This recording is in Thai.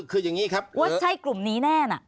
คืออย่างนี้ครับว่าใช่กลุ่มนี้แน่นะ